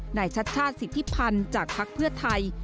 หน่ายชัดชาติศิษฐิพันธ์จากพักเพื่อไทย